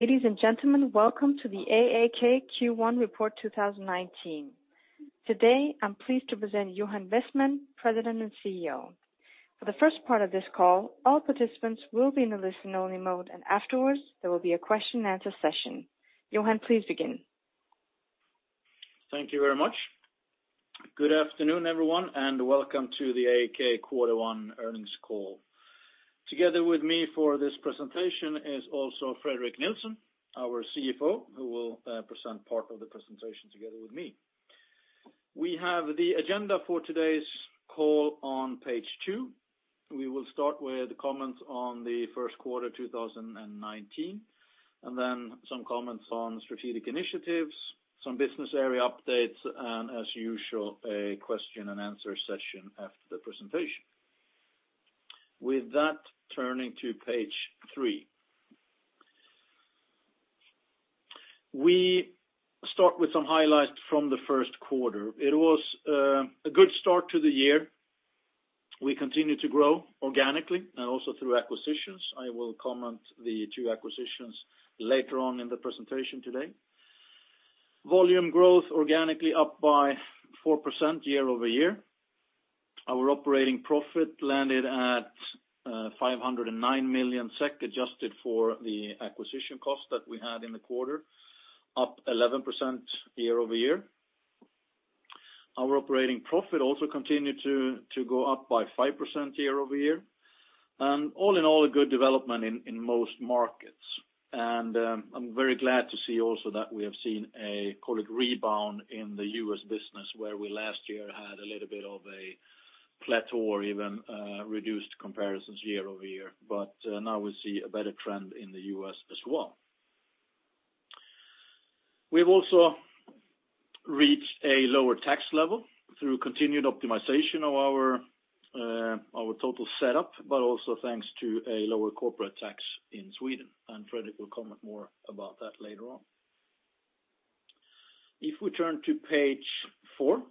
Ladies and gentlemen, welcome to the AAK Q1 Report 2019. Today, I'm pleased to present Johan Westman, President and CEO. For the first part of this call, all participants will be in the listen-only mode, afterwards, there will be a question and answer session. Johan, please begin. Thank you very much. Good afternoon, everyone, welcome to the AAK Quarter 1 earnings call. Together with me for this presentation is also Fredrik Nilsson, our CFO, who will present part of the presentation together with me. We have the agenda for today's call on page two. We will start with comments on the first quarter 2019, then some comments on strategic initiatives, some business area updates, as usual, a question and answer session after the presentation. With that, turning to page three. We start with some highlights from the first quarter. It was a good start to the year. We continue to grow organically and also through acquisitions. I will comment the two acquisitions later on in the presentation today. Volume growth organically up by 4% year-over-year. Our operating profit landed at 509 million SEK, adjusted for the acquisition cost that we had in the quarter, up 11% year-over-year. Our operating profit also continued to go up by 5% year-over-year. All in all, a good development in most markets. I'm very glad to see also that we have seen a, call it rebound, in the U.S. business, where we last year had a little bit of a plateau or even reduced comparisons year-over-year. Now we see a better trend in the U.S. as well. We've also reached a lower tax level through continued optimization of our total setup, also thanks to a lower corporate tax in Sweden, Fredrik will comment more about that later on. If we turn to page four.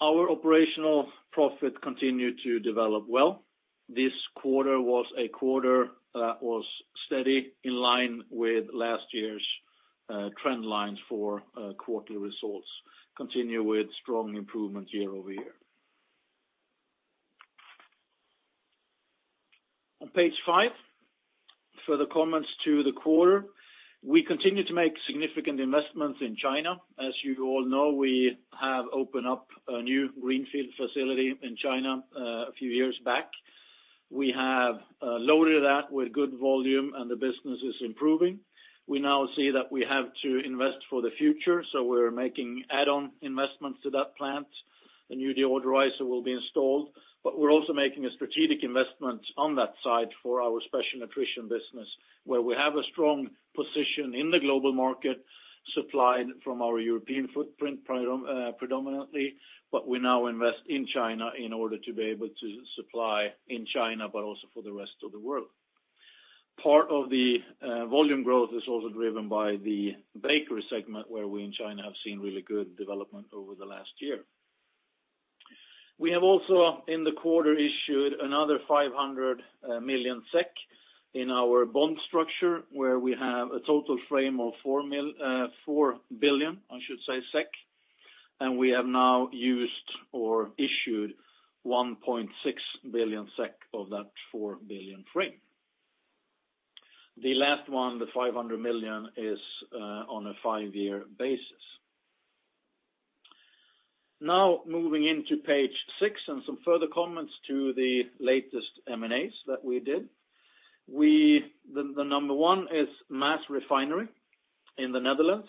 Our operational profit continued to develop well. This quarter was a quarter that was steady in line with last year's trend lines for quarterly results. Continue with strong improvement year-over-year. On page five, further comments to the quarter. We continue to make significant investments in China. As you all know, we have opened up a new greenfield facility in China a few years back. We have loaded that with good volume and the business is improving. We now see that we have to invest for the future, so we're making add-on investments to that plant. The new deodorizer will be installed, we're also making a strategic investment on that side for our Special Nutrition business, where we have a strong position in the global market, supplied from our European footprint predominantly, we now invest in China in order to be able to supply in China, also for the rest of the world. Part of the volume growth is also driven by the bakery segment, where we in China have seen really good development over the last year. We have also, in the quarter, issued another 500 million SEK in our bond structure, where we have a total frame of 4 billion, and we have now used or issued 1.6 billion SEK of that 4 billion frame. The last one, the 500 million, is on a 5-year basis. Moving into page six and some further comments to the latest M&As that we did. The number one is MaasRefinery B.V. in the Netherlands.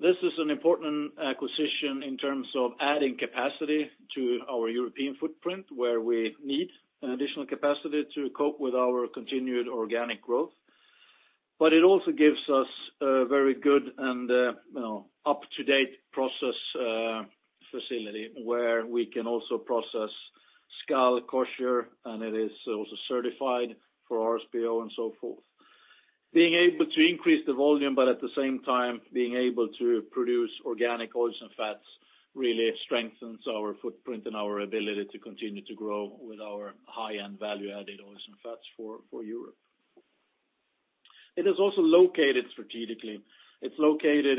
This is an important acquisition in terms of adding capacity to our European footprint, where we need an additional capacity to cope with our continued organic growth. It also gives us a very good and up-to-date process facility where we can also process Skal, kosher, and it is also certified for RSPO and so forth. Being able to increase the volume, but at the same time being able to produce organic oils and fats really strengthens our footprint and our ability to continue to grow with our high-end value-added oils and fats for Europe. It is also located strategically. It's located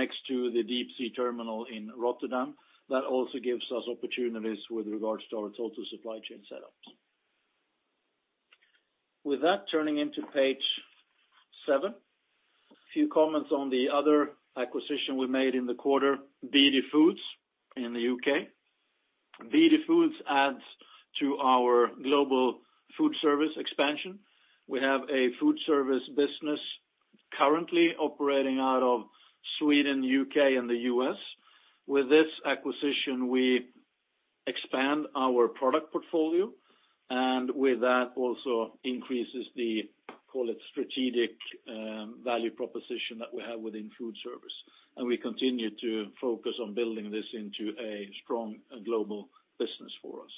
next to the deep sea terminal in Rotterdam. That also gives us opportunities with regards to our total supply chain setups. With that, turning into page seven. A few comments on the other acquisition we made in the quarter, BD Foods in the U.K. BD Foods adds to our global food service expansion. We have a food service business currently operating out of Sweden, U.K., and the U.S. With this acquisition, we expand our product portfolio, and with that also increases the, call it, strategic value proposition that we have within food service. We continue to focus on building this into a strong global business for us.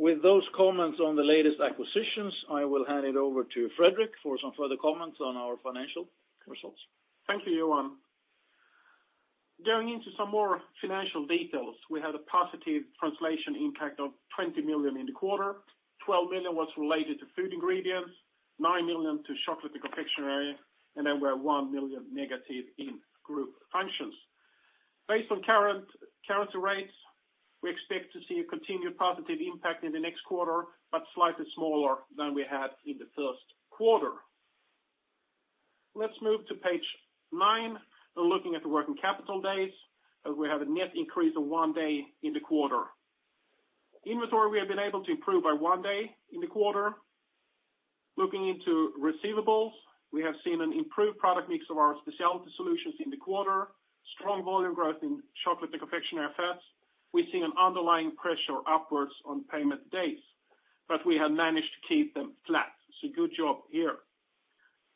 With those comments on the latest acquisitions, I will hand it over to Fredrik for some further comments on our financial results. Thank you, Johan. Going into some more financial details, we had a positive translation impact of 20 million in the quarter. 12 million was related to Food Ingredients, 9 million to Chocolate & Confectionery, and then we are 1 million negative in group functions. Based on current currency rates, we expect to see a continued positive impact in the next quarter, but slightly smaller than we had in the first quarter. Let's move to page nine and looking at the working capital days, we have a net increase of one day in the quarter. Inventory we have been able to improve by one day in the quarter. Looking into receivables, we have seen an improved product mix of our specialty solutions in the quarter, strong volume growth in Chocolate & Confectionery Fats. We've seen an underlying pressure upwards on payment days, but we have managed to keep them flat, so good job here.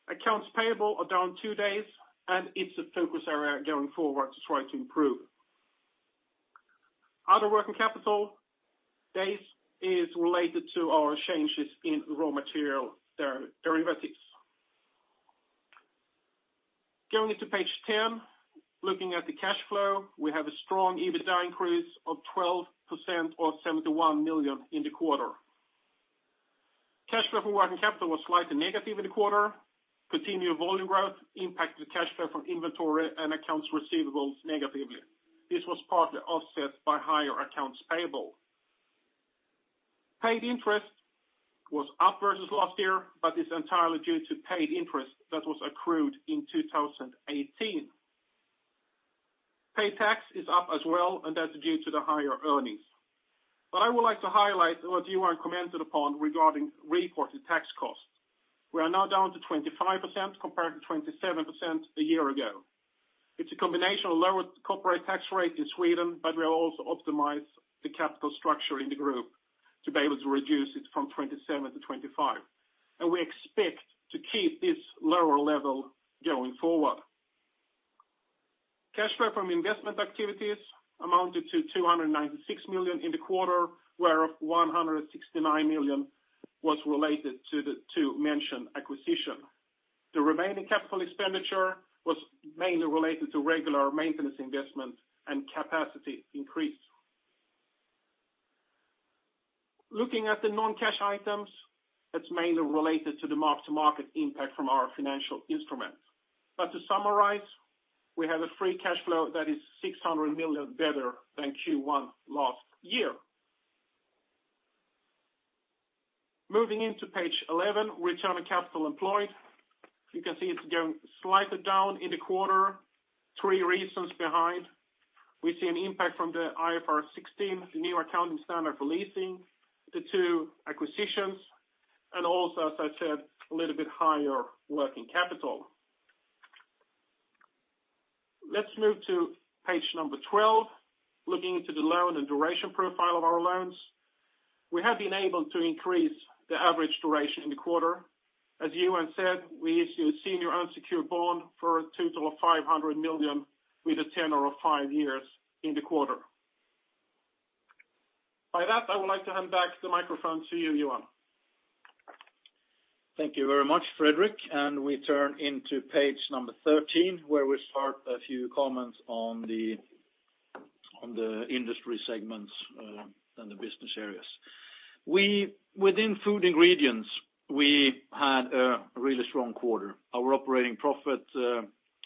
Accounts payable are down two days and it's a focus area going forward to try to improve. Other working capital days is related to our changes in raw material derivatives. Going into page 10, looking at the cash flow, we have a strong EBITDA increase of 12% or 71 million in the quarter. Cash flow from working capital was slightly negative in the quarter. Continued volume growth impacted the cash flow from inventory and accounts receivables negatively. This was partly offset by higher accounts payable. Paid interest was up versus last year, but is entirely due to paid interest that was accrued in 2018. Paid tax is up as well. That's due to the higher earnings. I would like to highlight what Johan commented upon regarding reported tax costs. We are now down to 25% compared to 27% a year ago. It's a combination of lower corporate tax rate in Sweden, but we have also optimized the capital structure in the group to be able to reduce it from 27% to 25%. We expect to keep this lower level going forward. Cash flow from investment activities amounted to 296 million in the quarter, whereof 169 million was related to the two mentioned acquisitions. The remaining capital expenditure was mainly related to regular maintenance investment and capacity increase. Looking at the non-cash items, that's mainly related to the mark-to-market impact from our financial instruments. To summarize, we have a free cash flow that is 600 million better than Q1 last year. Moving into page 11, return on capital employed. You can see it's going slightly down in the quarter. Three reasons behind. We see an impact from the IFRS 16, the new accounting standard for leasing, the two acquisitions, and also, as I said, a little bit higher working capital. Let's move to page 12. Looking into the loan and duration profile of our loans. We have been able to increase the average duration in the quarter. As Johan said, we issued senior unsecured bond for a total of 500 million with a tenure of five years in the quarter. By that, I would like to hand back the microphone to you, Johan. Thank you very much, Fredrik. We turn into page 13, where we start a few comments on the industry segments and the business areas. Within Food Ingredients, we had a really strong quarter. Our operating profit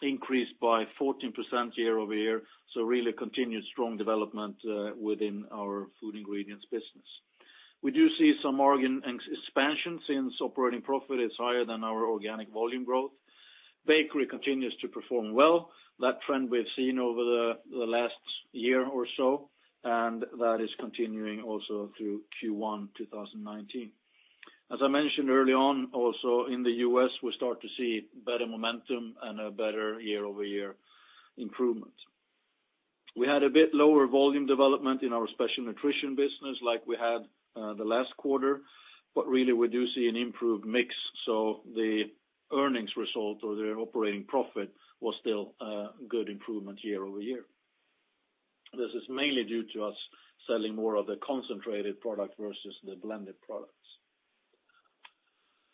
increased by 14% year-over-year, really continued strong development within our Food Ingredients business. We do see some margin expansion since operating profit is higher than our organic volume growth. Bakery continues to perform well. That trend we have seen over the last year or so, that is continuing also through Q1 2019. As I mentioned early on also in the U.S., we start to see better momentum and a better year-over-year improvement. We had a bit lower volume development in our Special Nutrition business like we had the last quarter, we do see an improved mix, so the earnings result or the operating profit was still a good improvement year-over-year. This is mainly due to us selling more of the concentrated product versus the blended products.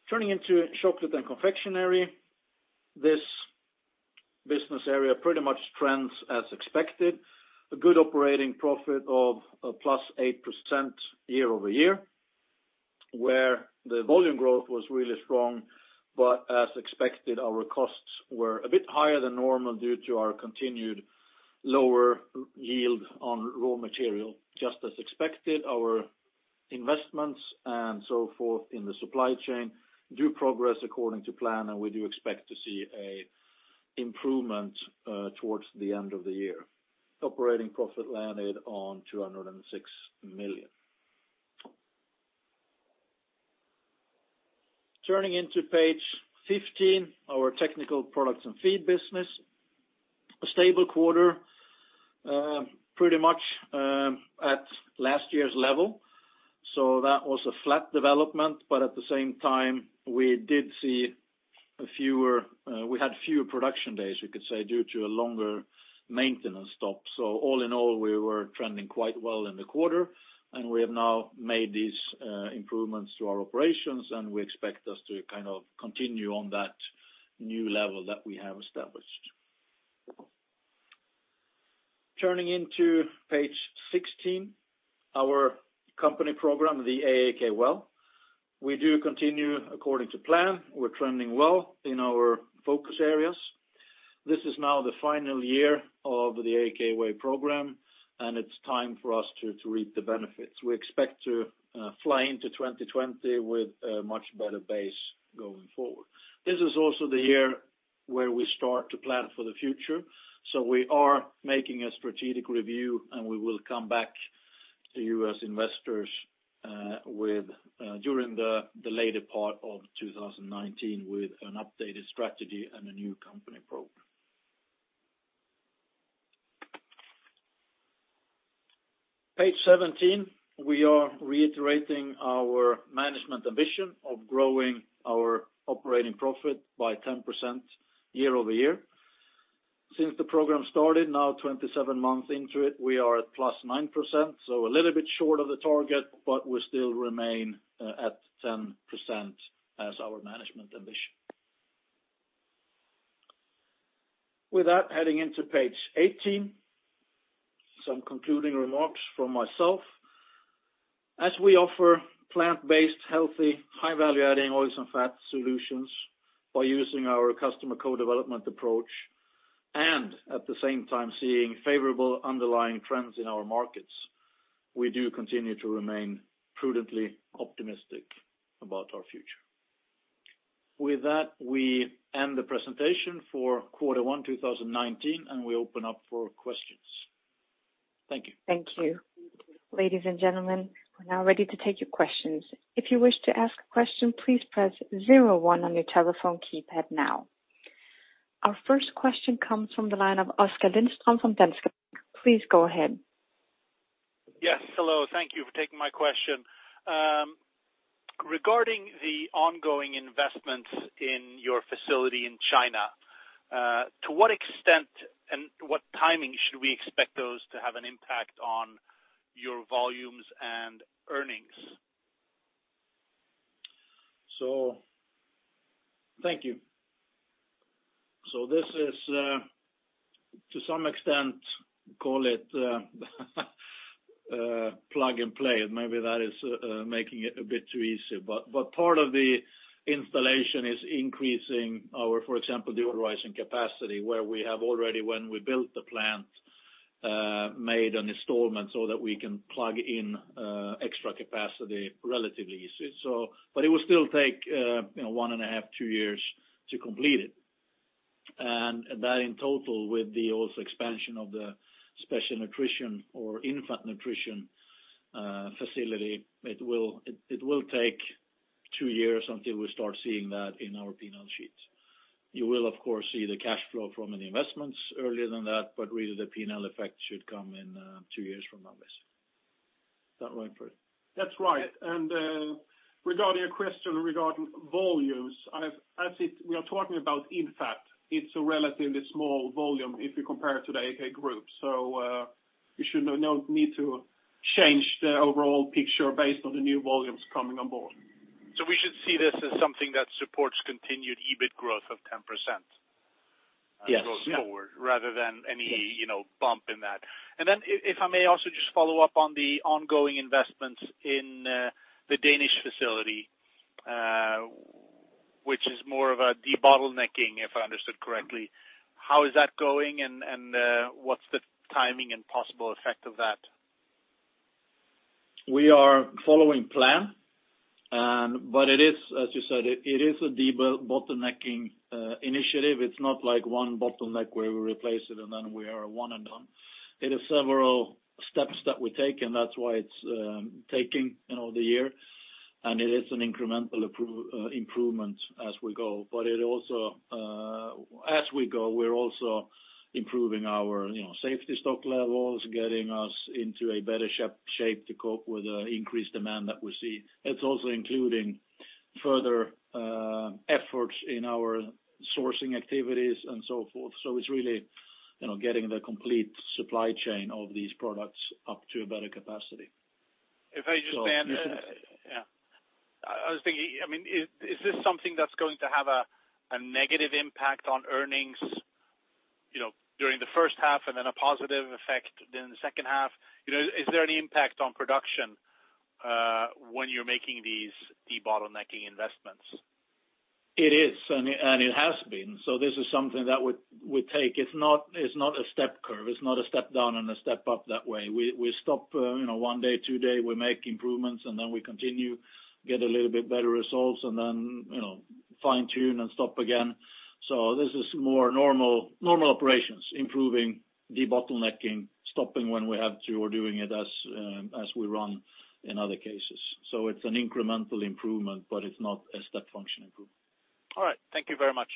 Turning into Chocolate & Confectionery. This business area pretty much trends as expected. A good operating profit of +8% year-over-year, where the volume growth was really strong, as expected, our costs were a bit higher than normal due to our continued lower yield on raw material. Just as expected, our investments and so forth in the supply chain do progress according to plan, we do expect to see improvement towards the end of the year. Operating profit landed on 206 million. Turning into page 15, our Technical Products & Feed business. A stable quarter, pretty much at last year's level. That was a flat development, at the same time, we had fewer production days, we could say, due to a longer maintenance stop. All in all, we were trending quite well in the quarter we have now made these improvements to our operations, we expect us to continue on that new level that we have established. Turning into page 16, our company program, the AAK Way. We do continue according to plan. We're trending well in our focus areas. This is now the final year of the AAK Way program, it's time for us to reap the benefits. We expect to fly into 2020 with a much better base going forward. This is also the year where we start to plan for the future. We are making a strategic review, we will come back to you as investors during the later part of 2019 with an updated strategy and a new company program. Page 17, we are reiterating our management ambition of growing our operating profit by 10% year-over-year. Since the program started, now 27 months into it, we are at +9%, a little bit short of the target, we still remain at 10% as our management ambition. With that, heading into page 18, some concluding remarks from myself. As we offer plant-based, healthy, high-value adding oils and fats solutions by using our Customer Co-Development approach, at the same time seeing favorable underlying trends in our markets, we do continue to remain prudently optimistic about our future. With that, we end the presentation for quarter one 2019, we open up for questions. Thank you. Thank you. Ladies and gentlemen, we're now ready to take your questions. If you wish to ask a question, please press 01 on your telephone keypad now. Our first question comes from the line of Oskar Lindström from Danske. Please go ahead. Yes, hello. Thank you for taking my question. Regarding the ongoing investments in your facility in China, to what extent and what timing should we expect those to have an impact on your volumes and earnings? Thank you. This is to some extent, call it plug and play. Maybe that is making it a bit too easy. Part of the installation is increasing our, for example, deodorizing capacity, where we have already, when we built the plant, made an installment so that we can plug in extra capacity relatively easy. It will still take one and a half, two years to complete it. That in total with the also expansion of the Special Nutrition or infant nutrition facility, it will take two years until we start seeing that in our P&L sheets. You will, of course, see the cash flow from the investments earlier than that. Really the P&L effect should come in two years from now, Bjoern. Is that right, Bjoern? That's right. Regarding your question regarding volumes, we are talking about infant, it's a relatively small volume if you compare to the AAK Group. We should not need to change the overall picture based on the new volumes coming on board. We should see this as something that supports continued EBIT growth of 10% going forward. Yes rather than any bump in that. If I may also just follow up on the ongoing investments in the Danish facility, which is more of a debottlenecking, if I understood correctly. How is that going and what's the timing and possible effect of that? We are following plan. It is, as you said, it is a debottlenecking initiative. It's not like one bottleneck where we replace it and then we are one and done. It is several steps that we take, that's why it's taking the year, and it is an incremental improvement as we go. As we go, we're also improving our safety stock levels, getting us into a better shape to cope with the increased demand that we see. It's also including further efforts in our sourcing activities and so forth. It's really getting the complete supply chain of these products up to a better capacity. If I just may, is this something that's going to have a negative impact on earnings during the first half and then a positive effect during the second half? Is there any impact on production when you're making these debottlenecking investments? It is, and it has been. This is something that we take. It's not a step curve. It's not a step down and a step up that way. We stop one day, two day, we make improvements, we continue, get a little bit better results, fine-tune and stop again. This is more normal operations, improving debottlenecking, stopping when we have to, or doing it as we run in other cases. It's an incremental improvement, but it's not a step function improvement. All right. Thank you very much.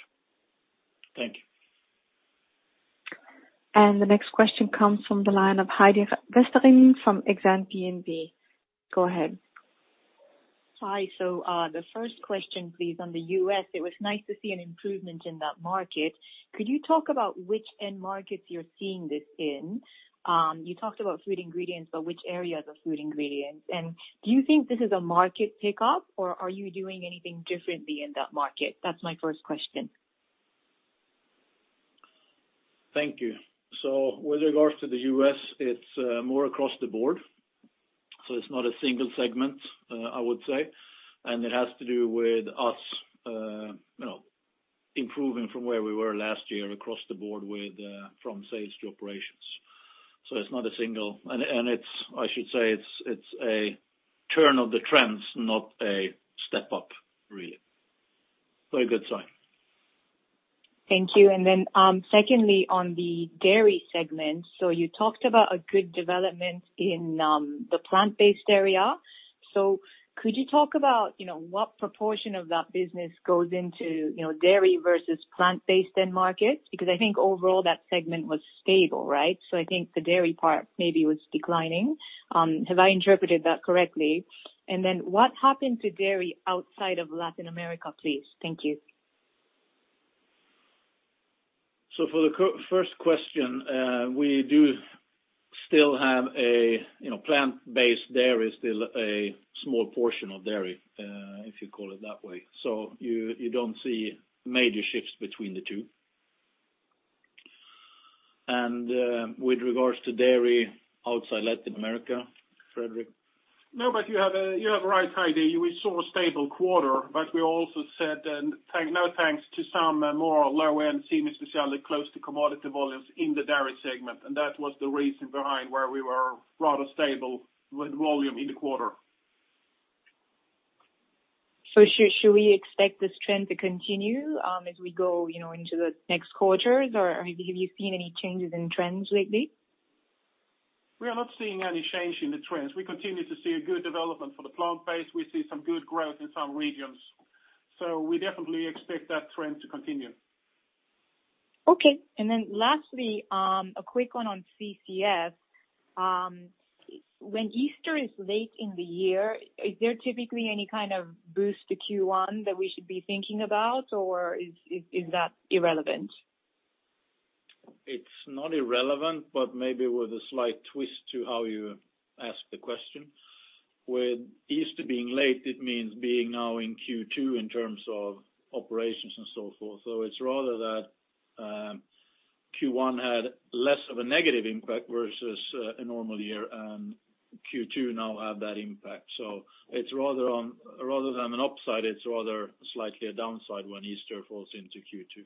Thank you. The next question comes from the line of Heidi Vesterinen from Exane BNP. Go ahead. Hi. The first question, please, on the U.S., it was nice to see an improvement in that market. Could you talk about which end markets you're seeing this in? You talked about Food Ingredients, but which areas of Food Ingredients? Do you think this is a market pickup, or are you doing anything differently in that market? That's my first question. Thank you. With regards to the U.S., it's more across the board. It's not a single segment, I would say. It has to do with us improving from where we were last year across the board from sales to operations. It's not a single, and I should say it's a turn of the trends, not a step up, really. A good sign. Thank you. Secondly, on the dairy segment. You talked about a good development in the plant-based area. Could you talk about what proportion of that business goes into dairy versus plant-based end markets? I think overall that segment was stable, right? I think the dairy part maybe was declining. Have I interpreted that correctly? What happened to dairy outside of Latin America, please? Thank you. For the first question, we do still have a plant-based dairy, still a small portion of dairy, if you call it that way. You don't see major shifts between the two. With regards to dairy outside Latin America, Fredrik? You have a right idea. We saw a stable quarter, we also said no thanks to some more low-end semi-specialty close to commodity volumes in the dairy segment. That was the reason behind why we were rather stable with volume in the quarter. Should we expect this trend to continue as we go into the next quarters, or have you seen any changes in trends lately? We are not seeing any change in the trends. We continue to see a good development for the plant-based. We see some good growth in some regions, so we definitely expect that trend to continue. Okay. Then lastly, a quick one on CCF. When Easter is late in the year, is there typically any kind of boost to Q1 that we should be thinking about, or is that irrelevant? It's not irrelevant, but maybe with a slight twist to how you ask the question. With Easter being late, it means being now in Q2 in terms of operations and so forth. It's rather that Q1 had less of a negative impact versus a normal year, and Q2 now have that impact. Rather than an upside, it's rather slightly a downside when Easter falls into Q2,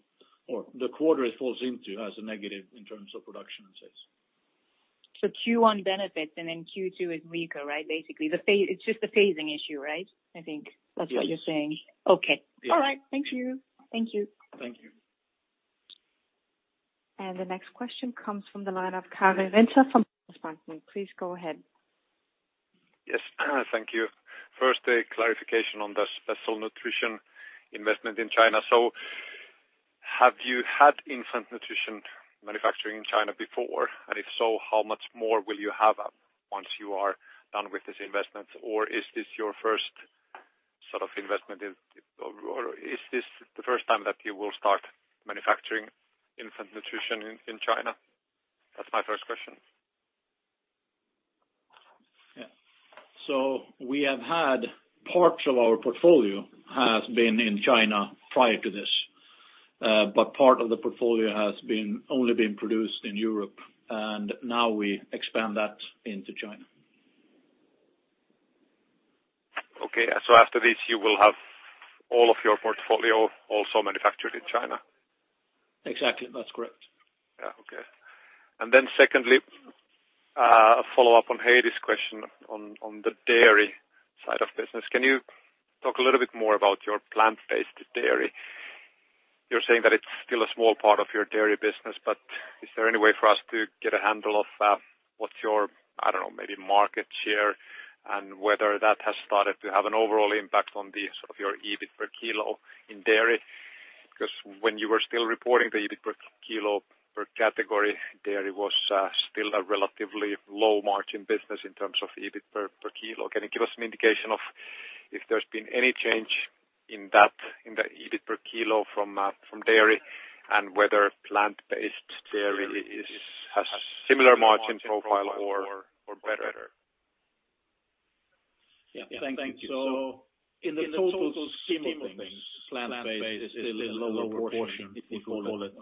or the quarter it falls into has a negative in terms of production and sales. Q1 benefits and then Q2 is weaker, right? Basically, it's just a phasing issue, right? I think that's what you're saying. Yes. Okay. All right. Thank you. Thank you. Thank you. The next question comes from the line of Kari Winter from DNB. Please go ahead. Yes. Thank you. First, a clarification on the Special Nutrition investment in China. Have you had infant nutrition manufacturing in China before? If so, how much more will you have once you are done with this investment? Is this your first sort of investment, or is this the first time that you will start manufacturing infant nutrition in China? That is my first question. We have had parts of our portfolio has been in China prior to this, but part of the portfolio has only been produced in Europe, now we expand that into China. After this, you will have all of your portfolio also manufactured in China? Exactly. That's correct. Okay. Secondly, a follow-up on Heidi's question on the dairy side of business. Can you talk a little bit more about your plant-based dairy? You're saying that it's still a small part of your dairy business, but is there any way for us to get a handle of what's your, I don't know, maybe market share and whether that has started to have an overall impact on the sort of your EBIT per kilo in dairy? Because when you were still reporting the EBIT per kilo per category, dairy was still a relatively low-margin business in terms of EBIT per kilo. Can you give us an indication of if there's been any change in the EBIT per kilo from dairy and whether plant-based dairy has similar margin profile or better? Thank you. In the total scheme of things, plant-based is still a lower proportion, if you call it,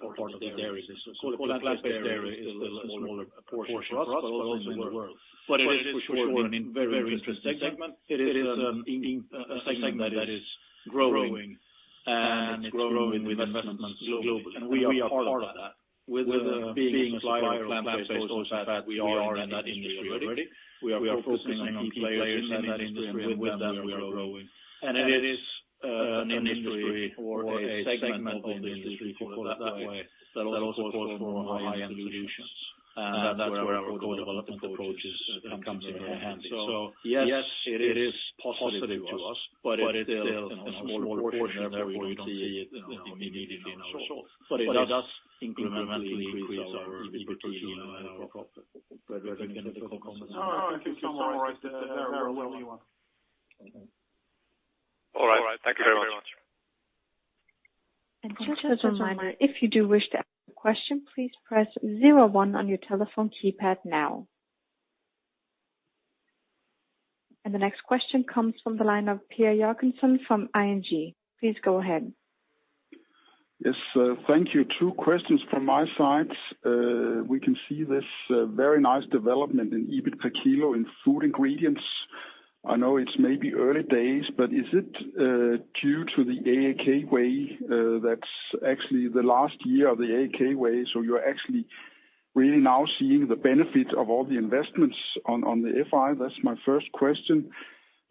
part of the dairy business. Plant-based dairy is still a smaller portion for us, but also in the world. It is for sure a very interesting segment. It is a segment that is growing. It's growing with investments globally. We are part of that. With being a supplier of plant-based oils and fats, we are in that industry already. We are focusing on key players in that industry, and with them, we are growing. It is an industry or a segment of the industry, if you call it that way, that also calls for more high-end solutions. That's where our co-development approach comes in handy. Yes, it is positive to us. It's still a small portion. Therefore you don't see it immediately in our results. It does incrementally increase our EBIT per kilo and our profit. Fredrik, anything to complement? No, I think you summarized it very well. Okay. All right. Thank you very much. Just as a reminder, if you do wish to ask a question, please press zero one on your telephone keypad now. The next question comes from the line of Per Jørgensen from ING. Please go ahead. Yes. Thank you. Two questions from my side. We can see this very nice development in EBIT per kilo in Food Ingredients. I know it's maybe early days, but is it due to the AAK Way? That's actually the last year of the AAK Way, so you're actually really now seeing the benefit of all the investments on the FI. That's my first question.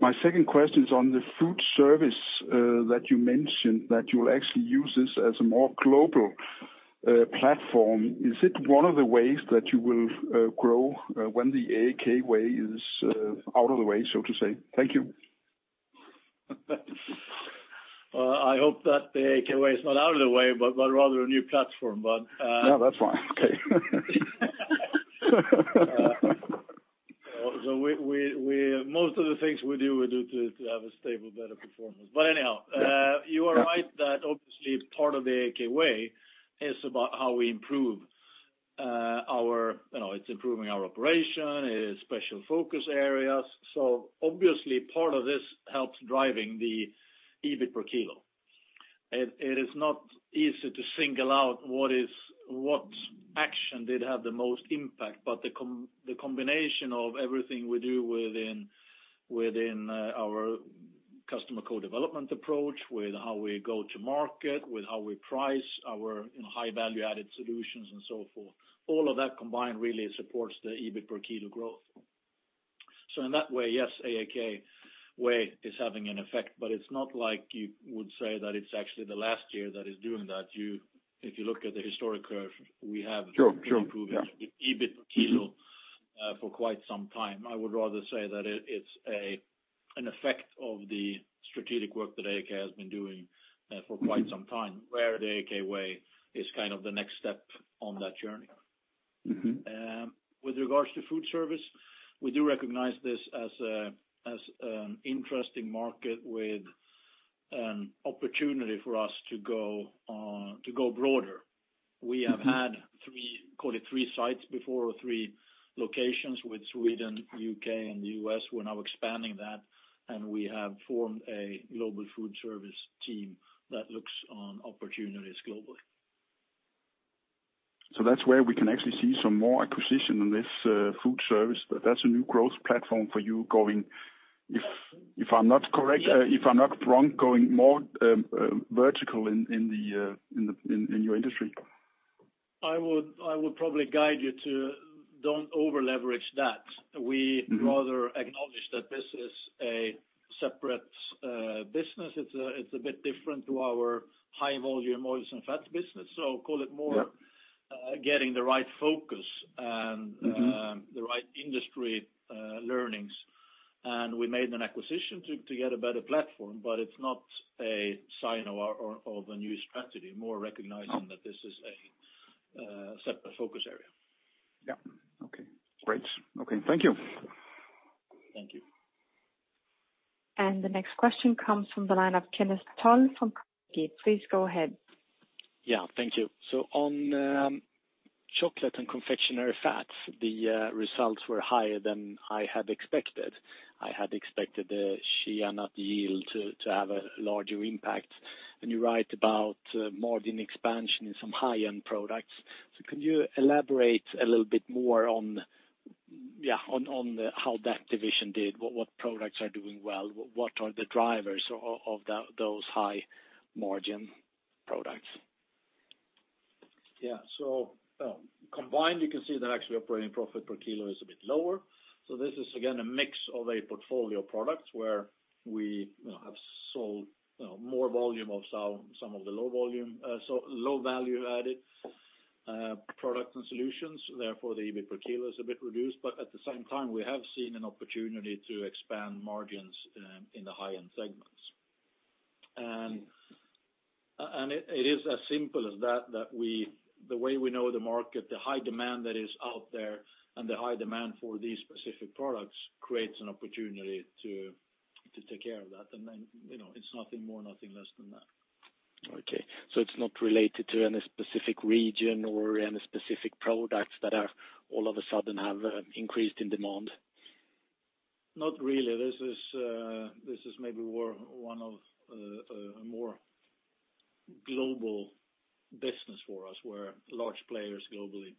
My second question is on the food service that you mentioned, that you will actually use this as a more global platform. Is it one of the ways that you will grow when the AAK Way is out of the way, so to say? Thank you. I hope that the AAK Way is not out of the way, but rather a new platform. No, that's fine. Okay. Most of the things we do, we do to have a stable, better performance. Anyhow, you are right that obviously part of the AAK Way is about how we improve our operation, special focus areas. Obviously, part of this helps driving the EBIT per kilo. It is not easy to single out what action did have the most impact, but the combination of everything we do within our Customer Co-Development approach, with how we go to market, with how we price our high value-added solutions and so forth, all of that combined really supports the EBIT per kilo growth. In that way, yes, AAK Way is having an effect, but it's not like you would say that it's actually the last year that it's doing that. If you look at the historic curve we have. Sure been improving the EBIT per kilo for quite some time. I would rather say that it's an effect of the strategic work that AAK has been doing for quite some time, where the AAK Way is the next step on that journey. With regards to food service, we do recognize this as an interesting market with an opportunity for us to go broader. We have had three, call it three sites before or three locations with Sweden, U.K., and U.S. We're now expanding that, and we have formed a global food service team that looks on opportunities globally. That's where we can actually see some more acquisition on this food service. That's a new growth platform for you going, if I'm not wrong, going more vertical in your industry. I would probably guide you to don't over-leverage that. We'd rather acknowledge that this is a separate business. It's a bit different to our high volume oils and fats business. Call it more getting the right focus and the right industry learnings. We made an acquisition to get a better platform, but it's not a sign of a new strategy. It's more recognizing that this is a separate focus area. Yeah. Okay, great. Thank you. Thank you. The next question comes from the line of Kenneth Toll from Carnegie. Please go ahead. Yeah, thank you. On Chocolate & Confectionery Fats, the results were higher than I had expected. I had expected the shea nut yield to have a larger impact. You write about margin expansion in some high-end products. Can you elaborate a little bit more on how that division did? What products are doing well? What are the drivers of those high-margin products? Yeah. Combined, you can see that actually operating profit per kilo is a bit lower. This is again, a mix of a portfolio of products where we have sold more volume of some of the low value-added products and solutions, therefore the EBIT per kilo is a bit reduced, but at the same time, we have seen an opportunity to expand margins in the high-end segments. It is as simple as that the way we know the market, the high demand that is out there and the high demand for these specific products creates an opportunity to take care of that. Then, it's nothing more, nothing less than that. Okay. It's not related to any specific region or any specific products that all of a sudden have increased in demand? Not really. This is maybe one of a more global business for us, where large players globally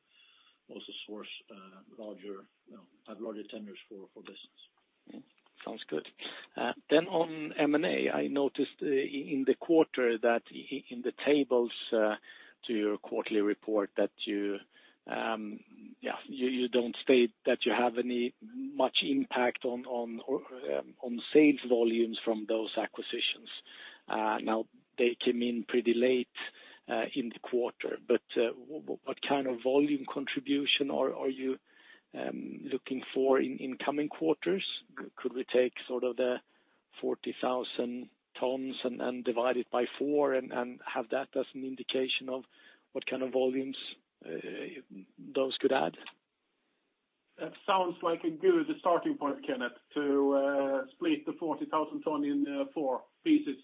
also source larger tenders for business. Sounds good. On M&A, I noticed in the quarter that in the tables to your quarterly report that you don't state that you have any much impact on sales volumes from those acquisitions. They came in pretty late in the quarter, but what kind of volume contribution are you looking for in coming quarters? Could we take sort of the 40,000 tons and divide it by four and have that as an indication of what kind of volumes those could add? That sounds like a good starting point, Kenneth, to split the 40,000 ton in four pieces.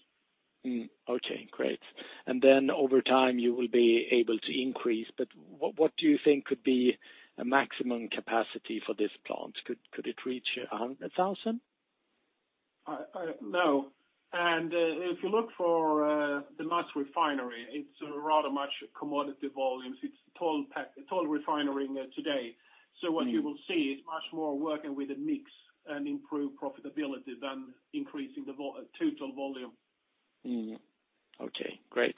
Okay, great. Over time you will be able to increase, what do you think could be a maximum capacity for this plant? Could it reach 100,000? No. If you look for the MaasRefinery, it's rather much commodity volumes. It's toll refinery today. What you will see is much more working with a mix and improve profitability than increasing the total volume. Okay, great.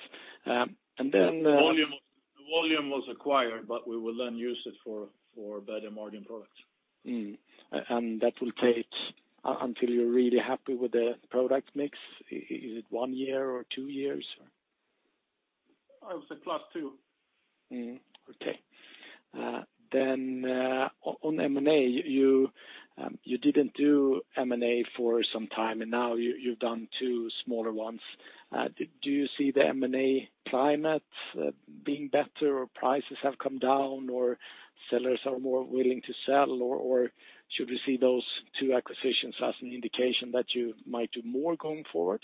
Volume was acquired, we will then use it for better margin products. That will take until you're really happy with the product mix. Is it one year or two years? I would say plus two. Okay. On M&A, you didn't do M&A for some time, and now you've done two smaller ones. Do you see the M&A climate being better or prices have come down or sellers are more willing to sell or should we see those two acquisitions as an indication that you might do more going forward?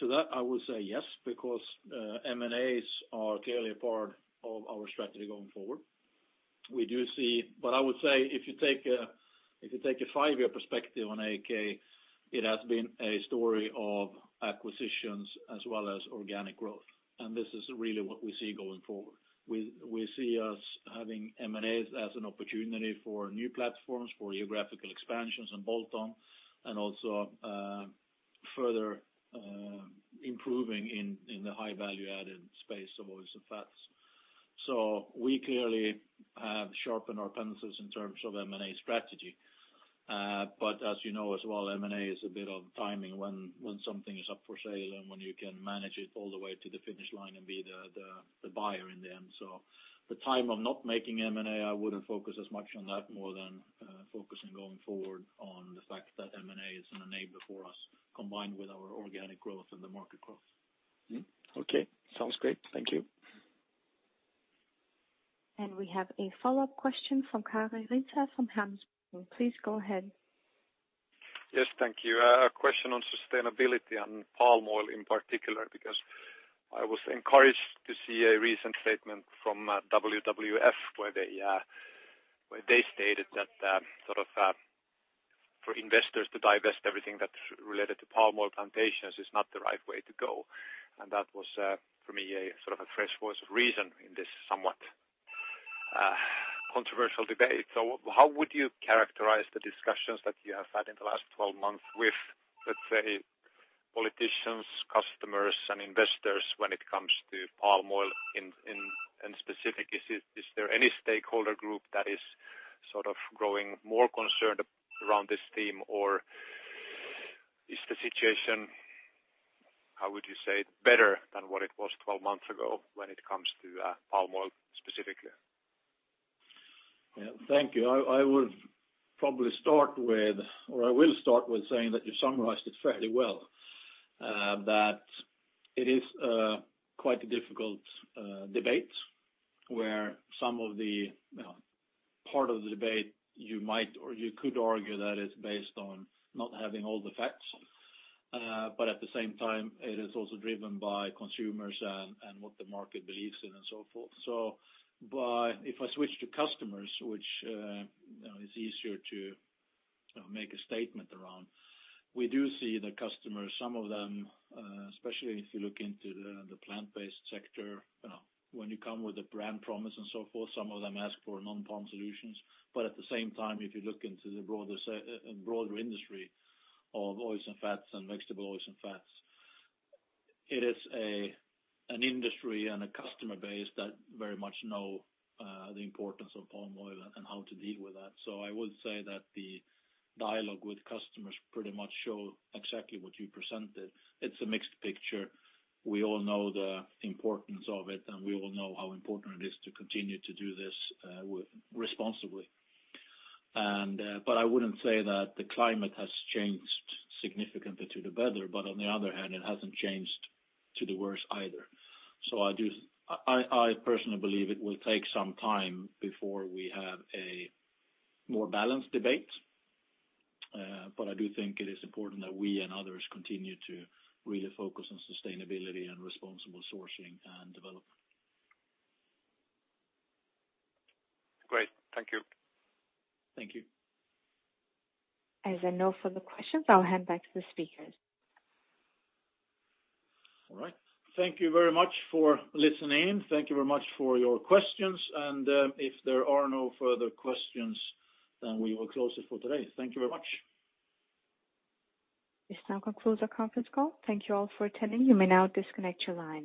To that I would say yes, because M&As are clearly a part of our strategy going forward. We do see, but I would say if you take a five-year perspective on AAK, it has been a story of acquisitions as well as organic growth. This is really what we see going forward. We see us having M&As as an opportunity for new platforms, for geographical expansions and bolt-on, and also further improving in the high value-added space of oils and fats. We clearly have sharpened our pencils in terms of M&A strategy. But as you know as well, M&A is a bit of timing when something is up for sale and when you can manage it all the way to the finish line and be the buyer in the end. the time of not making M&A, I wouldn't focus as much on that more than focusing going forward on the fact that M&A is an enabler for us, combined with our organic growth and the market growth. Okay. Sounds great. Thank you. We have a follow-up question from Kari Røise from Handelsbanken. Please go ahead. Yes, thank you. A question on sustainability and palm oil in particular, because I was encouraged to see a recent statement from WWF where they stated that for investors to divest everything that's related to palm oil plantations is not the right way to go. That was for me a fresh voice of reason in this somewhat controversial debate. How would you characterize the discussions that you have had in the last 12 months with, let's say, politicians, customers, and investors when it comes to palm oil in specific? Is there any stakeholder group that is growing more concerned around this theme or is the situation, how would you say, better than what it was 12 months ago when it comes to palm oil specifically? Yeah. Thank you. I will start with saying that you summarized it fairly well, that it is quite a difficult debate where some of the part of the debate you might or you could argue that it is based on not having all the facts. At the same time, it is also driven by consumers and what the market believes in and so forth. If I switch to customers, which is easier to make a statement around, we do see the customers, some of them, especially if you look into the plant-based sector, when you come with a brand promise and so forth, some of them ask for non-palm solutions. At the same time, if you look into the broader industry of oils and fats and vegetable oils and fats, it is an industry and a customer base that very much know the importance of palm oil and how to deal with that. I would say that the dialogue with customers pretty much show exactly what you presented. It is a mixed picture. We all know the importance of it, and we all know how important it is to continue to do this responsibly. I wouldn't say that the climate has changed significantly to the better, but on the other hand, it has not changed to the worse either. I personally believe it will take some time before we have a more balanced debate. I do think it is important that we and others continue to really focus on sustainability and responsible sourcing and development. Great. Thank you. Thank you. As there are no further questions, I'll hand back to the speakers. All right. Thank you very much for listening. Thank you very much for your questions. If there are no further questions, we will close it for today. Thank you very much. This now concludes our conference call. Thank you all for attending. You may now disconnect your lines.